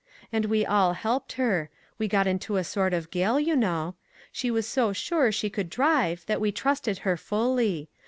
And we all helped her; we got into a sort of gale, you know. She was so sure she could drive, that we trusted her fully.